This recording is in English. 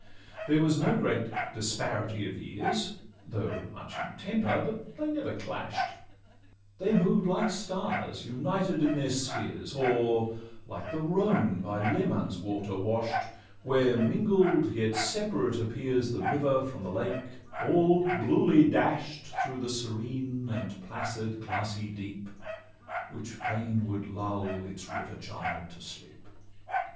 There was no great disparity of years, Though much in temper; but they never clash'd: They moved like stars united in their spheres, Or like the Rhone by Leman's waters wash'd, Where mingled and yet separate appears The river from the lake, all bluely dash'd Through the serene and placid glassy deep, Which fain would lull its river child to sleep.